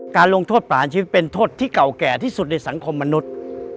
การลงโทษประหารชีวิตเป็นโทษที่เก่าแก่ที่สุดในสังคมมนุษย์